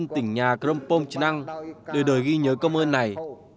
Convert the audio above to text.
tỉnh nhà krompong chnang đời đời ghi nhớ công ơn này